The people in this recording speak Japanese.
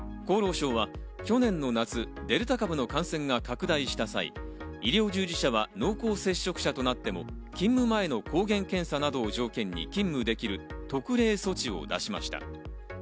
厚労省は去年の夏、デルタ株の感染が拡大した際、医療従事者は濃厚接触者となっても、勤務前の抗原検査などを条件に勤務できる特例措置を出しました。